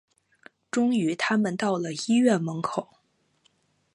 终于他们到了医院门口